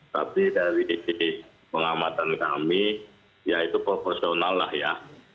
tapi dari sisi pengamatan kami ya itu proporsional lah ya